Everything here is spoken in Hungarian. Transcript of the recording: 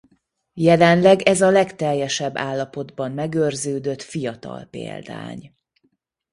Jelenleg ez a legteljesebb állapotban megőrződött fiatal példány.